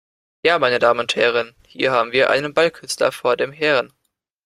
Ja meine Damen und Herren, hier haben wir einen Ballkünstler vor dem Herrn!